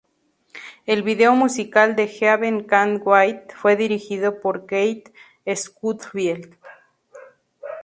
El video musical de "Heaven Can Wait" fue dirigido por Keith Schofield.